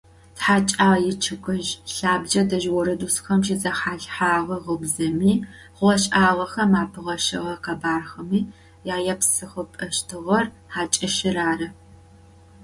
Тхьачӏэгъ ичъыгыжъ лъабжъэ дэжь орэдусхэм щызэхалъхьэгъэ гъыбзэми, хъугъэ-шӏагъэхэм апыгъэщэгъэ къэбархэми яепсыхыпӏэщтыгъэр хьакӏэщыр ары.